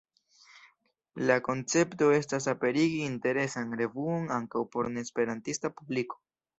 La koncepto estas aperigi interesan revuon ankaŭ por ne-esperantista publiko.